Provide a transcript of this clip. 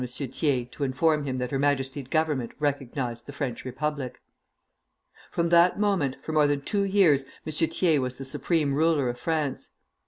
Thiers to inform him that Her Majesty's Government recognized the French Republic. From that moment, for more than two years, M. Thiers was the supreme ruler of France.